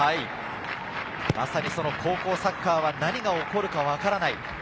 まさにその高校サッカーは何が起こるか分からない。